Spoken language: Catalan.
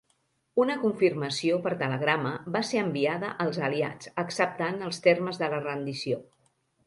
Una confirmació per telegrama va ser enviada als Aliats, acceptant els termes de la rendició.